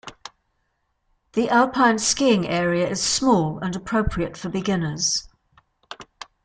The alpine skiing area is small and appropriate for beginners.